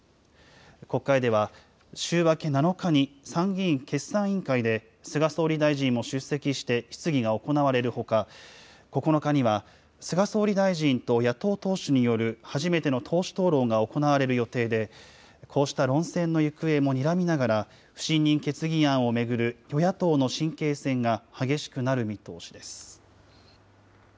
国会では、週明け７日に参議院決算委員会で菅総理大臣も出席して質疑が行われるほか、９日には、菅総理大臣と野党党首による初めての党首討論が行われる予定で、こうした論戦の行方もにらみながら、不信任決議案を巡る与野党の神経戦が激しくなる見通しです。